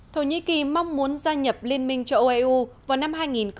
thổ nhĩ kỳ mong muốn gia nhập liên minh cho eu vào năm hai nghìn hai mươi ba